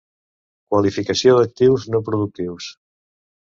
Qualificació d'actius no productius.